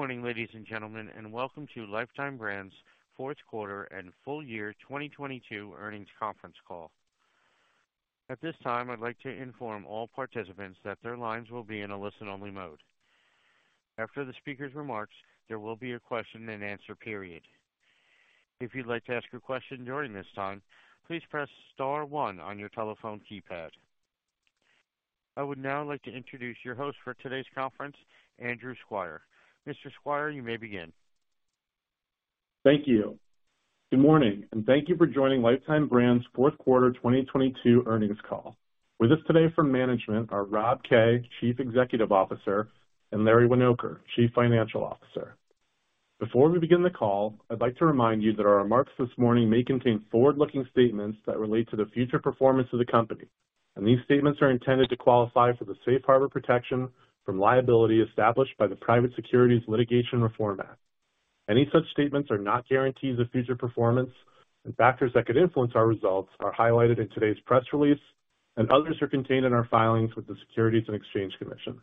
Good morning, ladies and gentlemen, and welcome to Lifetime Brands' Fourth Quarter and Full Year 2022 Earnings Conference Call. At this time, I'd like to inform all participants that their lines will be in a listen-only mode. After the speaker's remarks, there will be a question and answer period. If you'd like to ask a question during this time, please press star one on your telephone keypad. I would now like to introduce your host for today's conference, Andrew Squire. Mr. Squire, you may begin. Thank you. Good morning, and thank you for joining Lifetime Brands' fourth quarter 2022 earnings call. With us today from management are Rob Kay, Chief Executive Officer, and Larry Winoker, Chief Financial Officer. Before we begin the call, I'd like to remind you that our remarks this morning may contain forward-looking statements that relate to the future performance of the company. These statements are intended to qualify for the safe harbor protection from liability established by the Private Securities Litigation Reform Act. Any such statements are not guarantees of future performance, and factors that could influence our results are highlighted in today's press release, and others are contained in our filings with the Securities and Exchange Commission.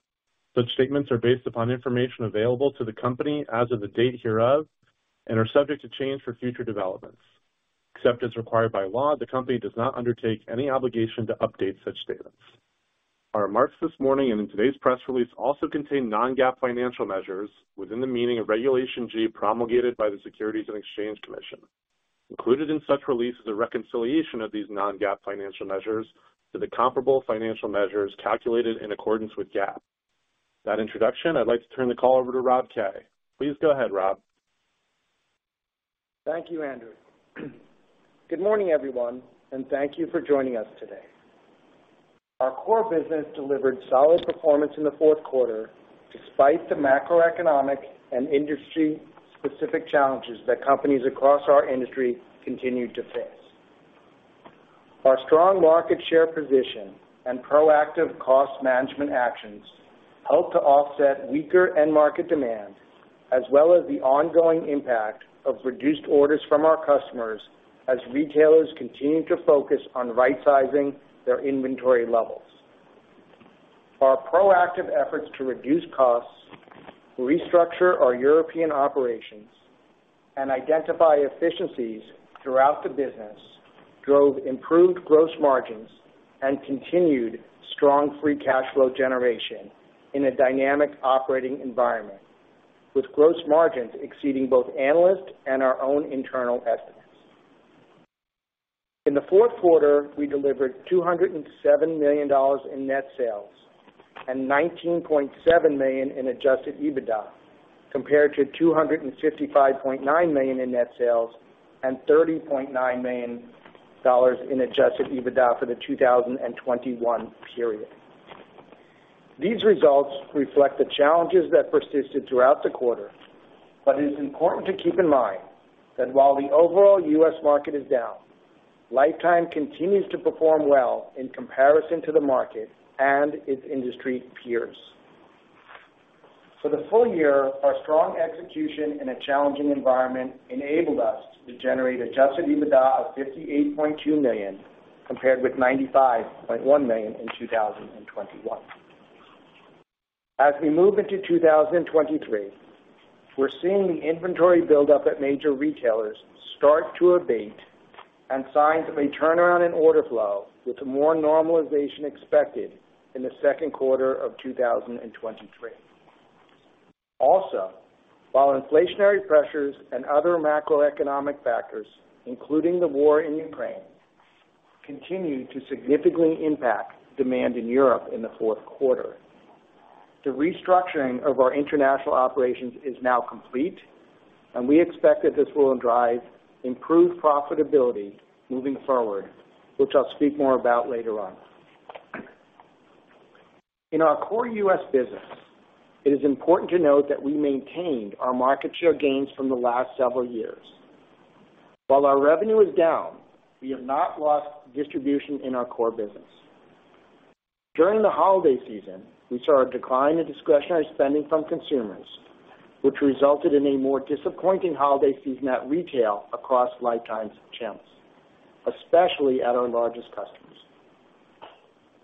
Such statements are based upon information available to the company as of the date hereof and are subject to change for future developments. Except as required by law, the company does not undertake any obligation to update such statements. Our remarks this morning and in today's press release also contain non-GAAP financial measures within the meaning of Regulation G promulgated by the Securities and Exchange Commission. Included in such release is a reconciliation of these non-GAAP financial measures to the comparable financial measures calculated in accordance with GAAP. With that introduction, I'd like to turn the call over to Rob Kay. Please go ahead, Rob. Thank you, Andrew. Good morning, everyone, and thank you for joining us today. Our core business delivered solid performance in the fourth quarter despite the macroeconomic and industry-specific challenges that companies across our industry continued to face. Our strong market share position and proactive cost management actions helped to offset weaker end market demand, as well as the ongoing impact of reduced orders from our customers as retailers continued to focus on rightsizing their inventory levels. Our proactive efforts to reduce costs, restructure our European operations, and identify efficiencies throughout the business drove improved gross margins and continued strong free cash flow generation in a dynamic operating environment, with gross margins exceeding both analysts and our own internal estimates. In the fourth quarter, we delivered $207 million in net sales and $19.7 million in adjusted EBITDA, compared to $255.9 million in net sales and $30.9 million in adjusted EBITDA for the 2021 period. These results reflect the challenges that persisted throughout the quarter. It is important to keep in mind that while the overall U.S. market is down, Lifetime continues to perform well in comparison to the market and its industry peers. For the full year, our strong execution in a challenging environment enabled us to generate adjusted EBITDA of $58.2 million, compared with $95.1 million in 2021. As we move into 2023, we're seeing the inventory buildup at major retailers start to abate and signs of a turnaround in order flow with more normalization expected in the second quarter of 2023. Also, while inflationary pressures and other macroeconomic factors, including the war in Ukraine, continued to significantly impact demand in Europe in the fourth quarter, the restructuring of our international operations is now complete, and we expect that this will drive improved profitability moving forward, which I'll speak more about later on. In our core U.S. business, it is important to note that we maintained our market share gains from the last several years. While our revenue is down, we have not lost distribution in our core business. During the holiday season, we saw a decline in discretionary spending from consumers, which resulted in a more disappointing holiday season at retail across Lifetime Brands' channels, especially at our largest customers.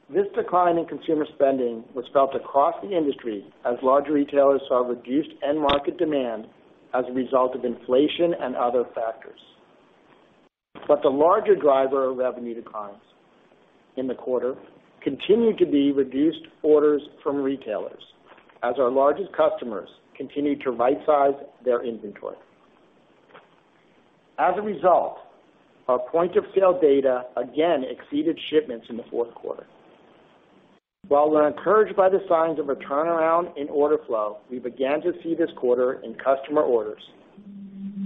This decline in consumer spending was felt across the industry as larger retailers saw reduced end market demand as a result of inflation and other factors. The larger driver of revenue declines in the quarter continued to be reduced orders from retailers as our largest customers continued to rightsize their inventory. As a result, our point-of-sale data again exceeded shipments in the fourth quarter. While we're encouraged by the signs of a turnaround in order flow, we began to see this quarter in customer orders.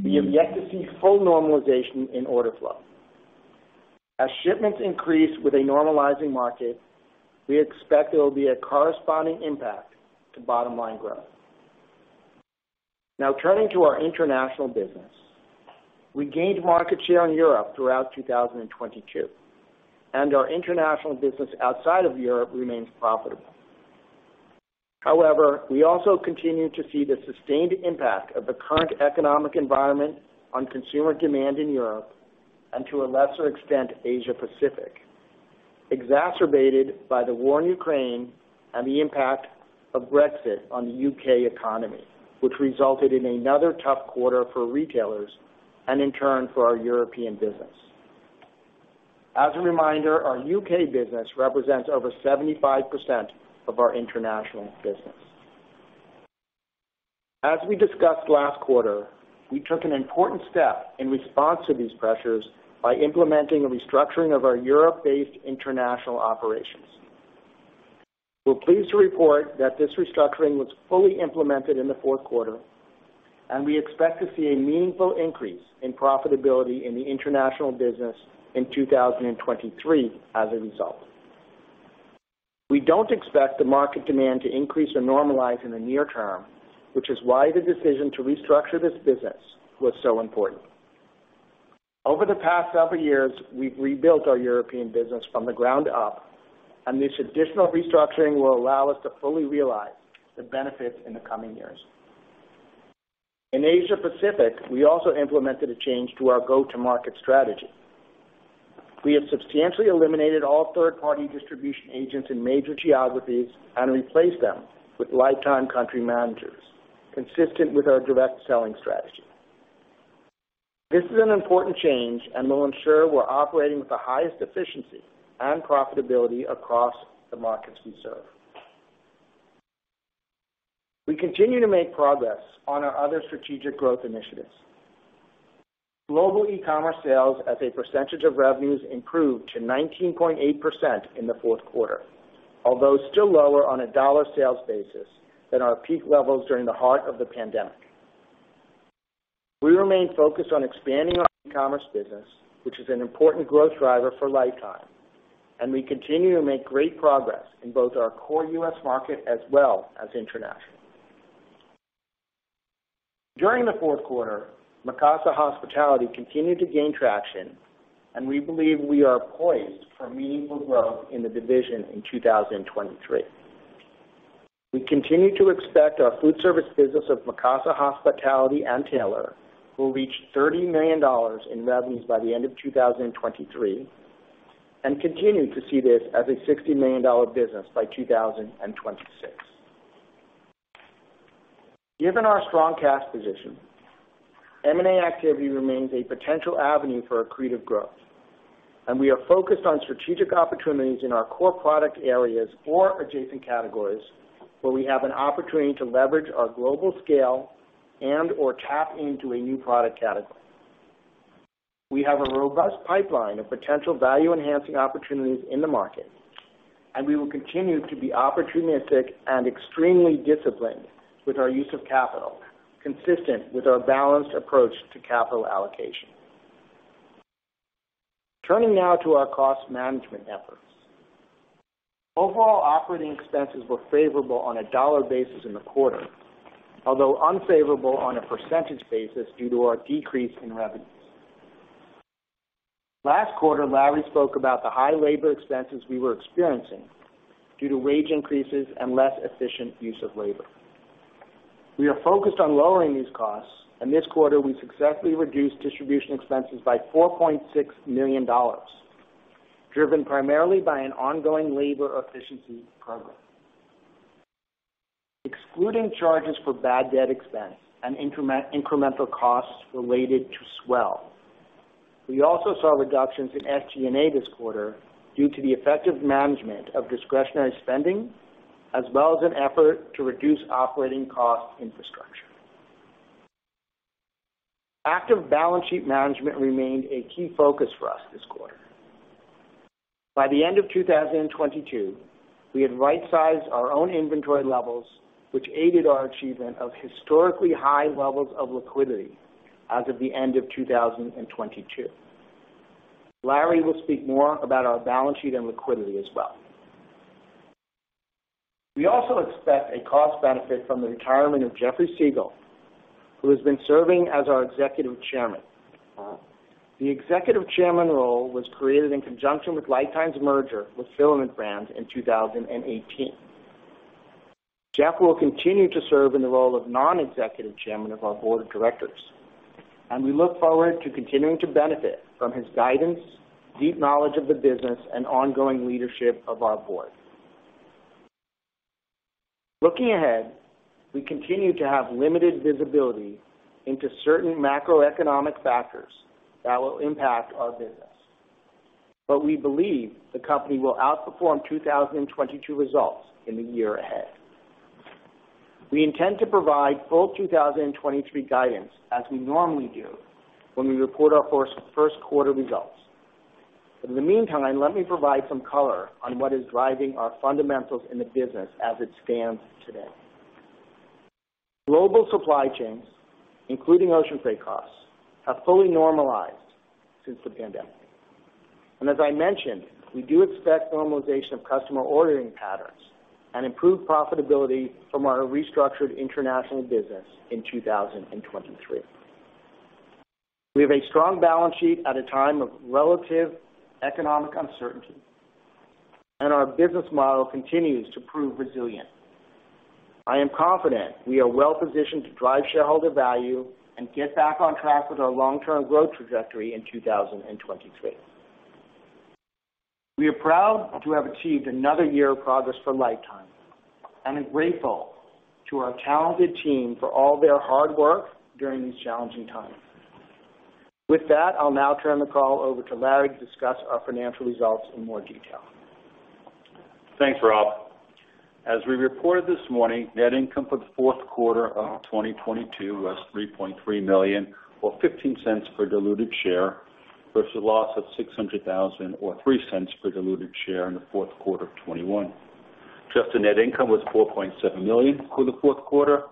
We have yet to see full normalization in order flow. As shipments increase with a normalizing market, we expect there will be a corresponding impact to bottom-line growth. Turning to our international business. We gained market share in Europe throughout 2022. Our international business outside of Europe remains profitable. However, we also continue to see the sustained impact of the current economic environment on consumer demand in Europe and, to a lesser extent, Asia-Pacific. Exacerbated by the war in Ukraine and the impact of Brexit on the U.K. economy, which resulted in another tough quarter for retailers and in turn for our European business. As a reminder, our U.K. business represents over 75% of our international business. As we discussed last quarter, we took an important step in response to these pressures by implementing a restructuring of our Europe-based international operations. We're pleased to report that this restructuring was fully implemented in the fourth quarter. We expect to see a meaningful increase in profitability in the international business in 2023 as a result. We don't expect the market demand to increase or normalize in the near term, which is why the decision to restructure this business was so important. Over the past several years, we've rebuilt our European business from the ground up. This additional restructuring will allow us to fully realize the benefits in the coming years. In Asia Pacific, we also implemented a change to our go-to-market strategy. We have substantially eliminated all third-party distribution agents in major geographies and replaced them with Lifetime country managers, consistent with our direct selling strategy. This is an important change and will ensure we're operating with the highest efficiency and profitability across the markets we serve. We continue to make progress on our other strategic growth initiatives. Global e-commerce sales as a percentage of revenues improved to 19.8% in the fourth quarter. Although still lower on a dollar sales basis than our peak levels during the heart of the pandemic. We remain focused on expanding our e-commerce business, which is an important growth driver for Lifetime, and we continue to make great progress in both our core U.S. market as well as international. During the fourth quarter, Mikasa Hospitality continued to gain traction, and we believe we are poised for meaningful growth in the division in 2023. We continue to expect our food service business of Mikasa Hospitality and Taylor will reach $30 million in revenues by the end of 2023, and continue to see this as a $60 million business by 2026. Given our strong cash position, M&A activity remains a potential avenue for accretive growth, and we are focused on strategic opportunities in our core product areas or adjacent categories where we have an opportunity to leverage our global scale and/or tap into a new product category. We have a robust pipeline of potential value-enhancing opportunities in the market, and we will continue to be opportunistic and extremely disciplined with our use of capital, consistent with our balanced approach to capital allocation. Turning now to our cost management efforts. Overall operating expenses were favorable on a dollar basis in the quarter, although unfavorable on a percentage basis due to our decrease in revenues. Last quarter, Larry spoke about the high labor expenses we were experiencing due to wage increases and less efficient use of labor. We are focused on lowering these costs, this quarter we successfully reduced distribution expenses by $4.6 million, driven primarily by an ongoing labor efficiency program. Excluding charges for bad debt expense and incremental costs related to S'well. We also saw reductions in SG&A this quarter due to the effective management of discretionary spending as well as an effort to reduce operating cost infrastructure. Active balance sheet management remained a key focus for us this quarter. By the end of 2022, we had rightsized our own inventory levels, which aided our achievement of historically high levels of liquidity as of the end of 2022. Larry will speak more about our balance sheet and liquidity as well. We also expect a cost benefit from the retirement of Jeffrey Siegel, who has been serving as our Executive Chairman. The Executive Chairman role was created in conjunction with Lifetime's merger with Filament Brands in 2018. Jeff will continue to serve in the role of Non-Executive Chairman of our Board of Directors, and we look forward to continuing to benefit from his guidance, deep knowledge of the business, and ongoing leadership of our Board. Looking ahead, we continue to have limited visibility into certain macroeconomic factors that will impact our business. We believe the company will outperform 2022 results in the year ahead. We intend to provide full 2023 guidance as we normally do when we report our first quarter results. In the meantime, let me provide some color on what is driving our fundamentals in the business as it stands today. Global supply chains, including ocean freight costs, have fully normalized since the pandemic. As I mentioned, we do expect normalization of customer ordering patterns and improved profitability from our restructured international business in 2023. We have a strong balance sheet at a time of relative economic uncertainty, and our business model continues to prove resilient. I am confident we are well positioned to drive shareholder value and get back on track with our long-term growth trajectory in 2023. We are proud to have achieved another year of progress for Lifetime Brands and are grateful to our talented team for all their hard work during these challenging times. With that, I'll now turn the call over to Larry to discuss our financial results in more detail. Thanks, Rob. As we reported this morning, net income for the fourth quarter of 2022 was $3.3 million, or $0.15 per diluted share, versus loss of $600,000 or $0.03 per diluted share in the fourth quarter of 2021. Adjusted net income was $4.7 million for the fourth quarter of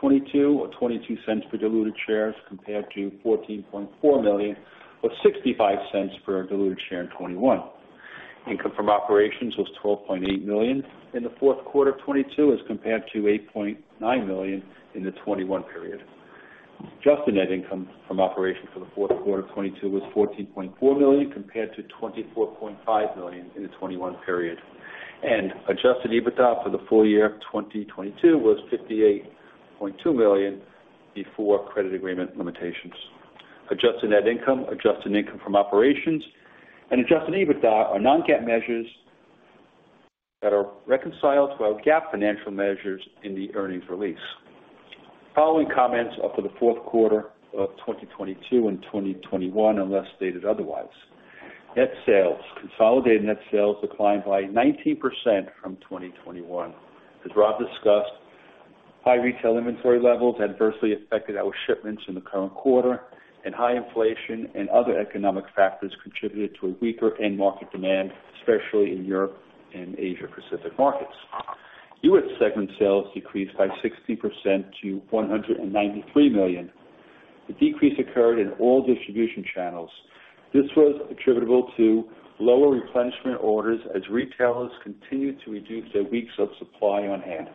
2022, or $0.22 per diluted shares, compared to $14.4 million or $0.65 per diluted share in 2021. Income from operations was $12.8 million in the fourth quarter of 2022 as compared to $8.9 million in the 2021 period. Adjusted net income from operations for the fourth quarter of 2022 was $14.4 million compared to $24.5 million in the 2021 period. Adjusted EBITDA for the full year of 2022 was $58.2 million before credit agreement limitations. Adjusted net income, adjusted income from operations, and adjusted EBITDA are non-GAAP measures that are reconciled to our GAAP financial measures in the earnings release. Following comments are for the fourth quarter of 2022 and 2021, unless stated otherwise. Net sales, consolidated net sales declined by 19% from 2021. As Rob discussed, high retail inventory levels adversely affected our shipments in the current quarter, and high inflation and other economic factors contributed to a weaker end market demand, especially in Europe and Asia Pacific markets. U.S. segment sales decreased by 16% to $193 million. The decrease occurred in all distribution channels. This was attributable to lower replenishment orders as retailers continued to reduce their weeks of supply on hand.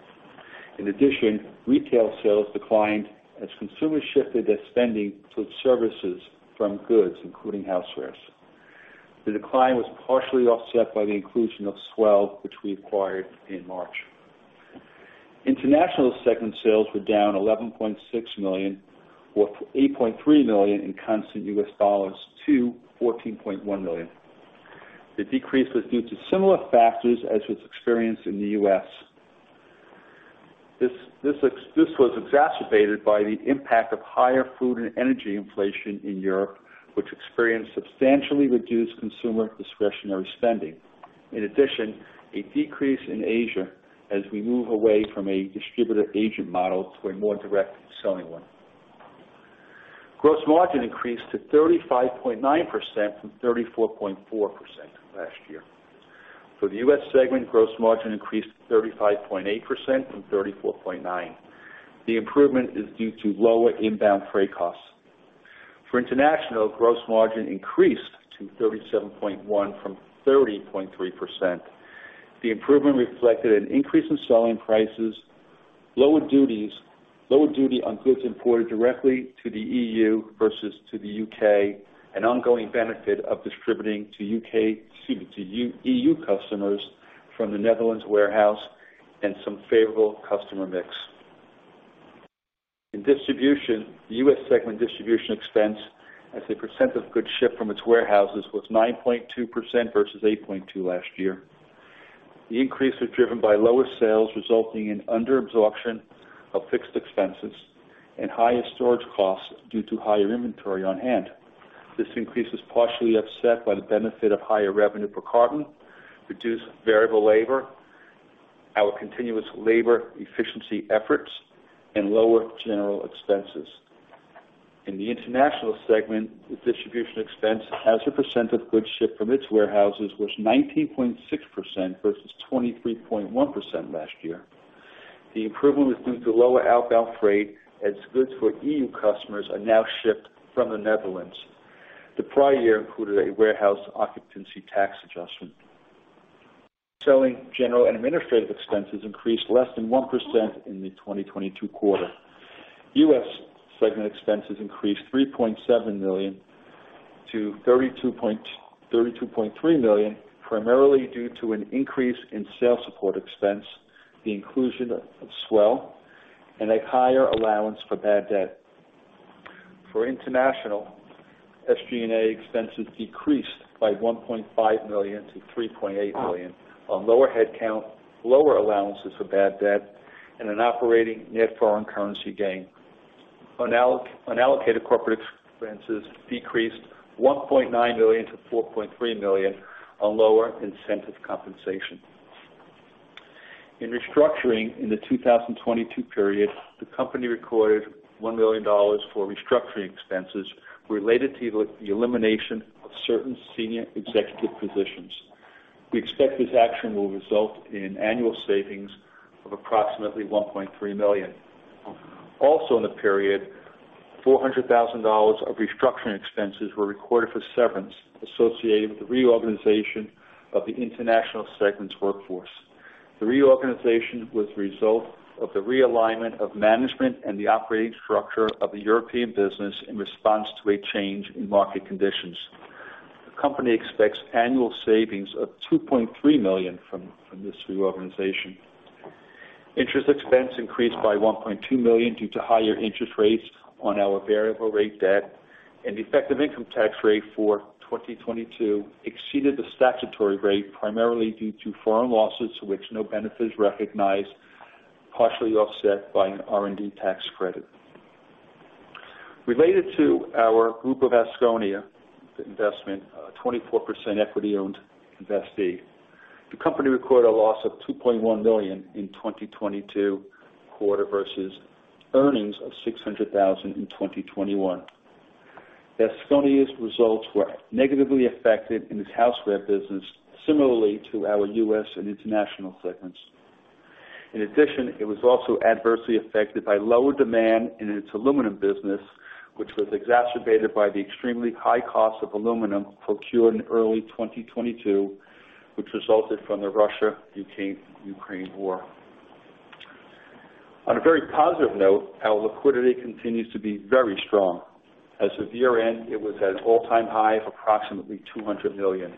In addition, retail sales declined as consumers shifted their spending to services from goods, including housewares. The decline was partially offset by the inclusion of S'well, which we acquired in March. International segment sales were down $11.6 million, or $8.3 million in constant USD to $14.1 million. The decrease was due to similar factors as was experienced in the U.S. This was exacerbated by the impact of higher food and energy inflation in Europe, which experienced substantially reduced consumer discretionary spending. A decrease in Asia as we move away from a distributor agent model to a more direct selling one. Gross margin increased to 35.9% from 34.4% last year. For the U.S. segment, gross margin increased to 35.8% from 34.9%. The improvement is due to lower inbound freight costs. For international, gross margin increased to 37.1% from 30.3%. The improvement reflected an increase in selling prices, lower duties, lower duty on goods imported directly to the EU versus to the U.K., an ongoing benefit of distributing to EU customers from the Netherlands warehouse and some favorable customer mix. In distribution, the US segment distribution expense as a percent of goods shipped from its warehouses was 9.2% versus 8.2% last year. The increase was driven by lower sales, resulting in under absorption of fixed expenses and higher storage costs due to higher inventory on hand. This increase was partially offset by the benefit of higher revenue per carton, reduced variable labor, our continuous labor efficiency efforts, and lower general expenses. In the international segment, the distribution expense as a percent of goods shipped from its warehouses was 19.6% versus 23.1% last year. The improvement was due to lower outbound freight as goods for EU customers are now shipped from the Netherlands. The prior year included a warehouse occupancy tax adjustment. Selling, general, and administrative expenses increased less than 1% in the 2022 quarter. U.S. segment expenses increased $3.7 million to $32.3 million, primarily due to an increase in sales support expense, the inclusion of S'well, and a higher allowance for bad debt. For international, SG&A expenses decreased by $1.5 million to $3.8 million on lower headcount, lower allowances for bad debt, and an operating net foreign currency gain. Unallocated corporate expenses decreased $1.9 million to $4.3 million on lower incentive compensation. In restructuring in the 2022 period, the company recorded $1 million for restructuring expenses related to the elimination of certain senior executive positions. We expect this action will result in annual savings of approximately $1.3 million. Also, in the period, $400,000 of restructuring expenses were recorded for severance associated with the reorganization of the international segment's workforce. The reorganization was the result of the realignment of management and the operating structure of the European business in response to a change in market conditions. The company expects annual savings of $2.3 million from this reorganization. Interest expense increased by $1.2 million due to higher interest rates on our variable rate debt, and the effective income tax rate for 2022 exceeded the statutory rate, primarily due to foreign losses to which no benefit is recognized, partially offset by an R&D tax credit. Related to our Grupo Vasconia investment, 24% equity-owned investee. The company recorded a loss of $2.1 million in 2022 quarter versus earnings of $600,000 in 2021. Vasconia's results were negatively affected in its houseware business, similarly to our U.S. and international segments. In addition, it was also adversely affected by lower demand in its aluminum business, which was exacerbated by the extremely high cost of aluminum procured in early 2022, which resulted from the Russia-Ukraine war. On a very positive note, our liquidity continues to be very strong. As of year-end, it was at an all-time high of approximately $200 million,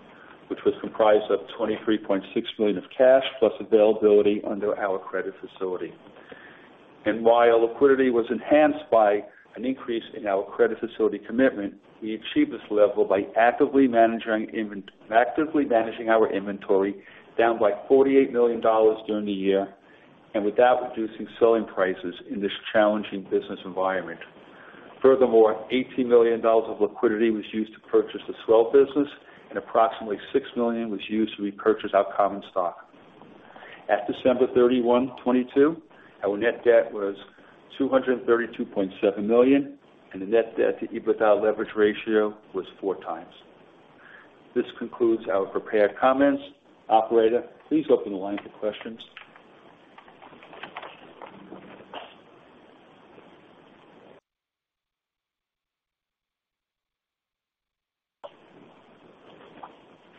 which was comprised of $23.6 million of cash, plus availability under our credit facility. While liquidity was enhanced by an increase in our credit facility commitment, we achieved this level by actively managing our inventory, down by $48 million during the year, and without reducing selling prices in this challenging business environment. Furthermore, $80 million of liquidity was used to purchase the S'well business, and approximately $6 million was used to repurchase our common stock. At December 31, 2022, our net debt was $232.7 million, and the net debt to EBITDA leverage ratio was 4x. This concludes our prepared comments. Operator, please open the line for questions.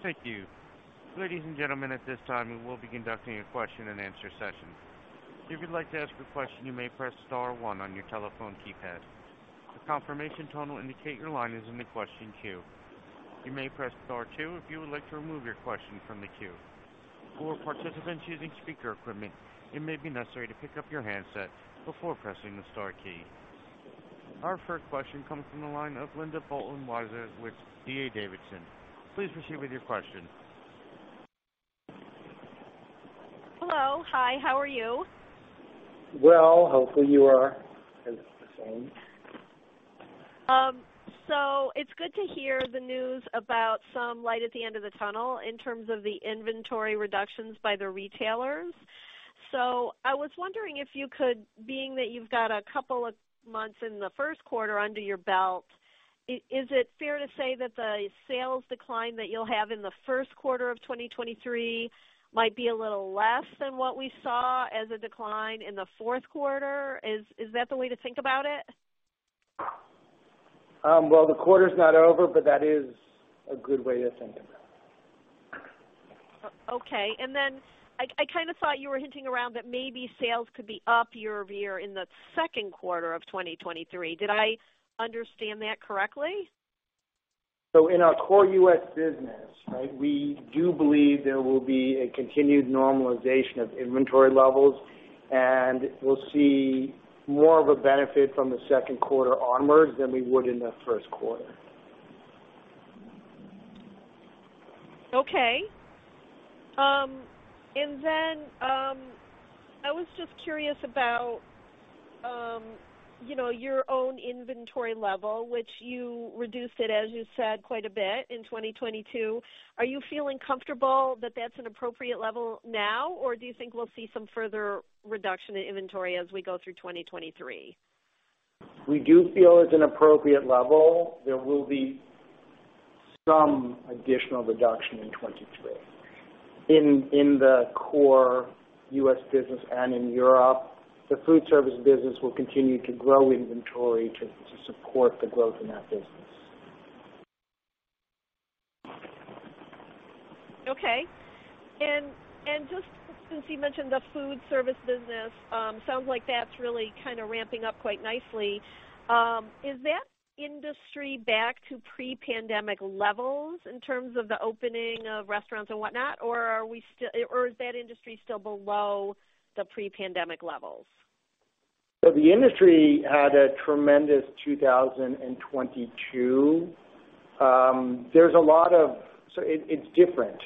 Thank you. Ladies and gentlemen, at this time, we will be conducting a question and answer session. If you'd like to ask a question, you may press star one on your telephone keypad. A confirmation tone will indicate your line is in the question queue. You may press star two if you would like to remove your question from the queue. For participants using speaker equipment, it may be necessary to pick up your handset before pressing the star key. Our first question comes from the line of Linda Bolton Weiser with D.A. Davidson. Please proceed with your question. Hello. Hi, how are you? Hopefully you are the same. It's good to hear the news about some light at the end of the tunnel in terms of the inventory reductions by the retailers. I was wondering if you could-- being that you've got a couple of months in the 1st quarter under your belt, is it fair to say that the sales decline that you'll have in the 1st quarter of 2023 might be a little less than what we saw as a decline in the fourth quarter? Is, is that the way to think about it? Well, the quarter's not over, but that is a good way to think about it. Okay. And then, I kinda thought you were hinting around that maybe sales could be up year-over-year in the second quarter of 2023. Did I understand that correctly? In our core U.S. business, right, we do believe there will be a continued normalization of inventory levels, and we'll see more of a benefit from the second quarter onwards than we would in the first quarter. Okay. I was just curious about, you know, your own inventory level, which you reduced it, as you said, quite a bit in 2022. Are you feeling comfortable that that's an appropriate level now, or do you think we'll see some further reduction in inventory as we go through 2023? We do feel it's an appropriate level. There will be some additional reduction in 2023 in the core U.S. business and in Europe. The foodservice business will continue to grow inventory to support the growth in that business. Okay. Just since you mentioned the foodservice business, sounds like that's really kind of ramping up quite nicely. Is that industry back to pre-pandemic levels in terms of the opening of restaurants and whatnot, or is that industry still below the pre-pandemic levels? The industry had a tremendous 2022. There's it's different.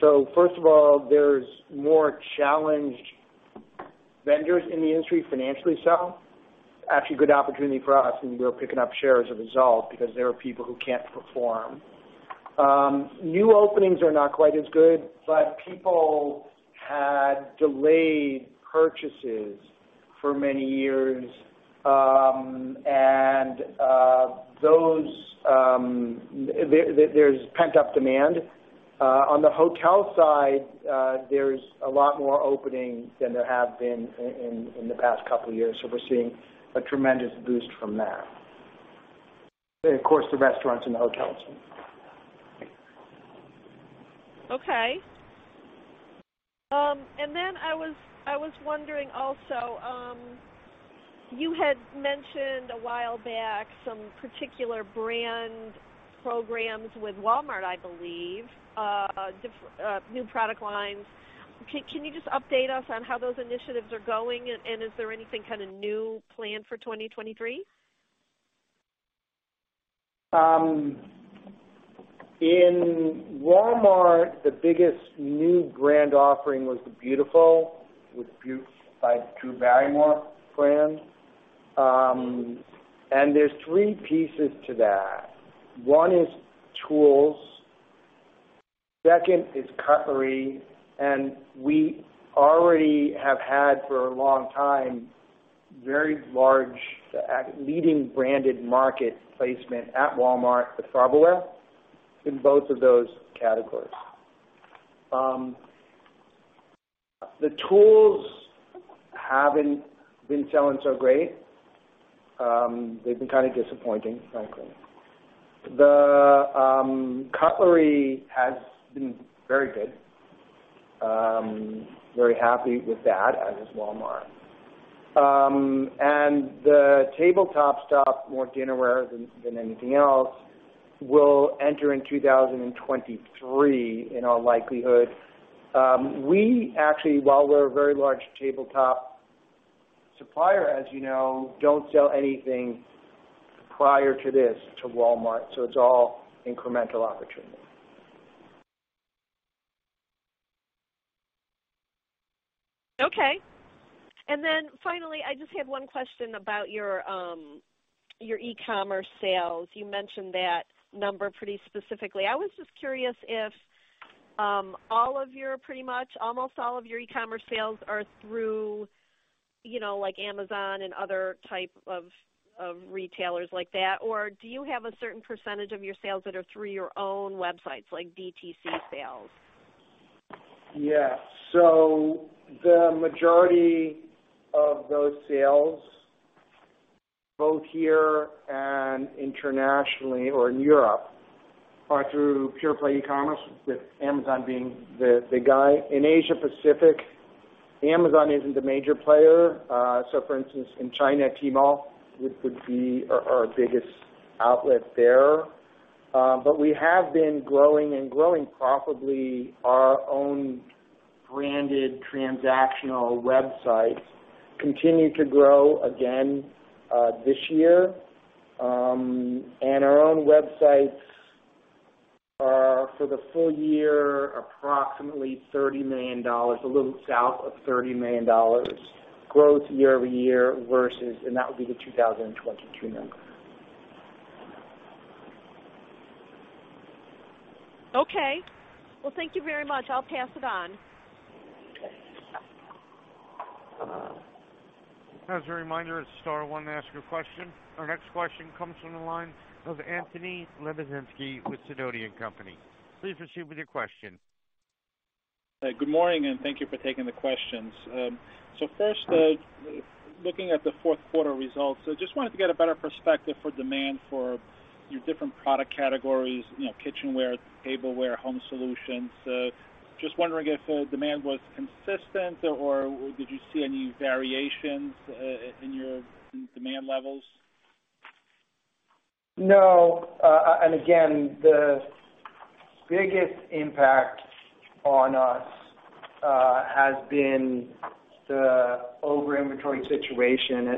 First of all, there's more challenged vendors in the industry, financially so. Actually a good opportunity for us, and we're picking up share as a result because there are people who can't perform. New openings are not quite as good, but people had delayed purchases for many years. And, those, there's pent-up demand. On the hotel side, there's a lot more openings than there have been in the past couple of years, so we're seeing a tremendous boost from that. Of course, the restaurants and the hotels. Okay. I was wondering also, you had mentioned a while back some particular brand programs with Walmart, I believe, new product lines. Can you just update us on how those initiatives are going? Is there anything kinda new planned for 2023? In Walmart, the biggest new brand offering was the Beautiful, by Drew Barrymore brand. There's three pieces to that. One is tools, second is cutlery, and we already have had, for a long time, very large, leading branded market placement at Walmart with Farberware in both of those categories. The tools haven't been selling so great. They've been kinda disappointing, frankly. The cutlery has been very good. Very happy with that, as is Walmart. The tabletop stuff, more dinnerware than anything else, will enter in 2023 in all likelihood. We actually, while we're a very large tabletop supplier, as you know, don't sell anything prior to this to Walmart, so it's all incremental opportunity. Okay. Then finally, I just had one question about your e-commerce sales. You mentioned that number pretty specifically. I was just curious if all of your, pretty much almost all of your e-commerce sales are through, you know, like Amazon and other type of retailers like that, or do you have a certain % of your sales that are through your own websites, like DTC sales? The majority of those sales, both here and internationally or in Europe, are through pure play e-commerce with Amazon being the guy. In Asia Pacific, Amazon isn't a major player. For instance, in China, Tmall would be our biggest outlet there. We have been growing, and growing profitably. Our own branded transactional websites continue to grow again this year. Our own websites are, for the full year, approximately $30 million, a little south of $30 million growth year-over-year versus... That would be the 2022 number. Okay. Well, thank you very much. I'll pass it on. Okay. As a reminder, it's star one to ask a question. Our next question comes from the line of Anthony Lebiedzinski with Sidoti & Company. Please proceed with your question. Good morning, thank you for taking the questions. First, looking at the fourth quarter results, I just wanted to get a better perspective for demand for your different product categories, you know, kitchenware, tableware, home solutions. Just wondering if demand was consistent or did you see any variations in your demand levels? No. Again, the biggest impact on us has been the over-inventory situation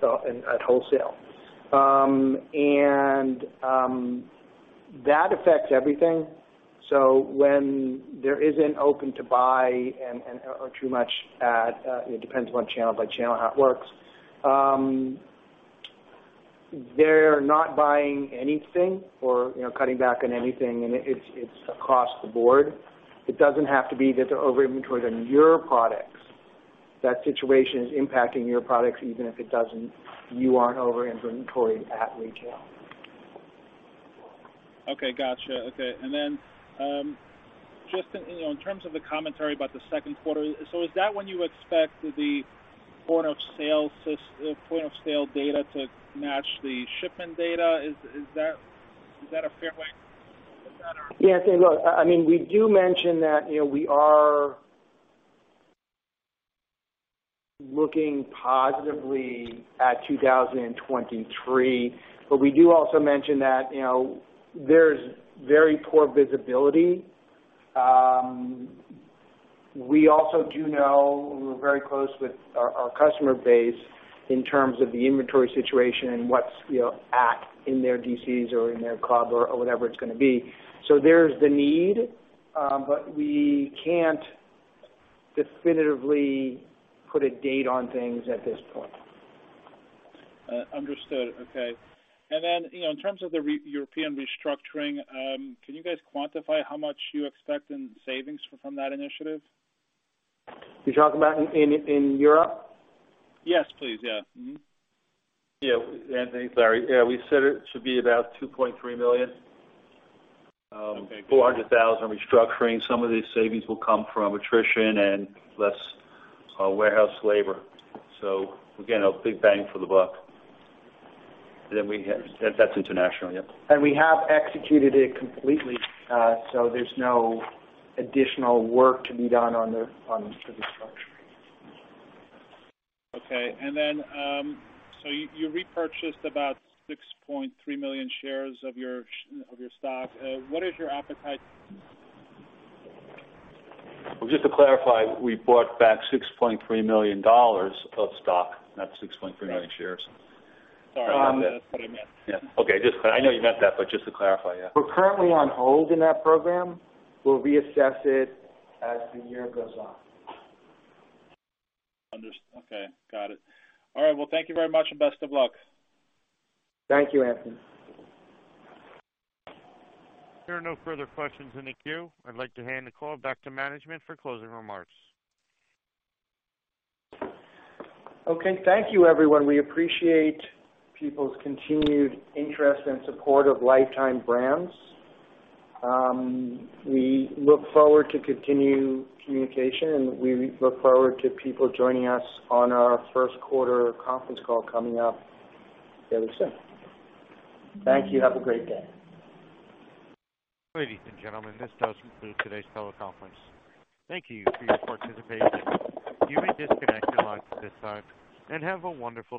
at wholesale. That affects everything. When there isn't open to buy and or too much at, it depends on channel by channel how it works, they're not buying anything or, you know, cutting back on anything, and it's across the board. It doesn't have to be that they're over-inventoried on your products. That situation is impacting your products even if you aren't over-inventoried at retail. Okay, gotcha. Just in, you know, in terms of the commentary about the second quarter, is that when you expect the point-of-sale data to match the shipment data? Is that a fair way to look at that or...? Look, I mean, we do mention that, you know, we are looking positively at 2023, but we do also mention that, you know, there's very poor visibility. We also do know, and we're very close with our customer base in terms of the inventory situation and what's, you know, at in their DCs or in their club or whatever it's gonna be. There's the need, but we can't definitively put a date on things at this point. Understood. Okay. Then, you know, in terms of the European restructuring, can you guys quantify how much you expect in savings from that initiative? You're talking about in Europe? Yes, please. Yeah. Mm-hmm. Yeah. Anthony, It's Larry. Yeah, we said it should be about $2.3 million - Okay.... $400,000 restructuring. Some of these savings will come from attrition and less, warehouse labor. Again, a big bang for the buck. That's international, yeah. We have executed it completely, so there's no additional work to be done on the, on the restructuring. Okay. You repurchased about 6.3 million shares of your of your stock. What is your appetite? Well, just to clarify, we bought back $6.3 million of stock, not 6.3 million shares. Sorry. Not that- That's what I meant. Yeah. Okay. I know you meant that, but just to clarify, yeah. We're currently on hold in that program. We'll reassess it as the year goes on. Okay. Got it. All right. Well, thank you very much, and best of luck. Thank you, Anthony. There are no further questions in the queue. I'd like to hand the call back to management for closing remarks. Okay. Thank you, everyone. We appreciate people's continued interest and support of Lifetime Brands. We look forward to continued communication, and we look forward to people joining us on our first quarter conference call coming up very soon. Thank you. Have a great day. Ladies and gentlemen, this does conclude today's teleconference. Thank you for your participation. You may disconnect your lines at this time, and have a wonderful day.